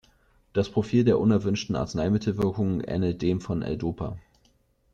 Das Profil der unerwünschten Arzneimittelwirkungen ähnelt dem von L-Dopa.